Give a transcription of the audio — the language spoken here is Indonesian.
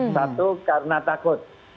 satu karena takut